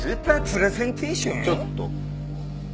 ちょっと。